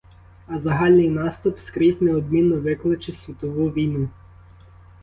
А загальний наступ скрізь неодмінно викличе світову війну.